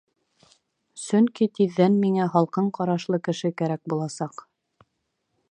Сөнки тиҙҙән миңә һалҡын ҡарашлы кеше кәрәк буласаҡ.